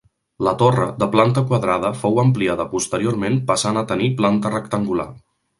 La torre, de planta quadrada fou ampliada posteriorment passant a tenir planta rectangular.